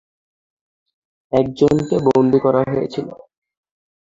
একজনকে বন্দী করা হয়েছিল।